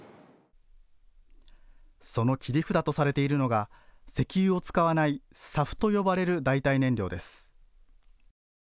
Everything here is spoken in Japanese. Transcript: その切り札とされているのが石油を使わないＳＡＦと呼ばれる代替燃料です。